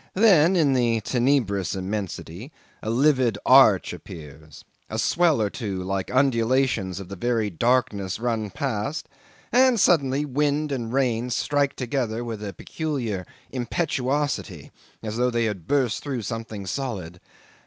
Then in the tenebrous immensity a livid arch appears; a swell or two like undulations of the very darkness run past, and suddenly, wind and rain strike together with a peculiar impetuosity as if they had burst through something solid.